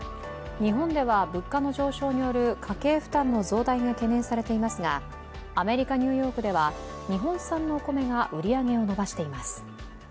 日本では物価の上昇による家計負担の増大が懸念されていますがアメリカ・ニューヨークでは日本産のお米が売り上げを伸ばしています。